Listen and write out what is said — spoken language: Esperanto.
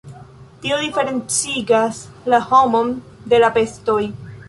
Tio diferencigas la homon de la bestoj.